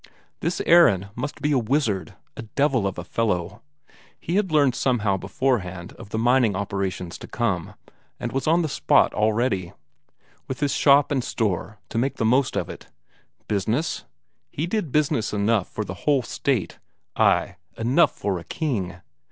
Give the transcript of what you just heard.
This Aron must be a wizard, a devil of a fellow; he had learned somehow beforehand of the mining operations to come, and was on the spot all ready, with his shop and store, to make the most of it. Business? He did business enough for a whole State ay, enough for a king!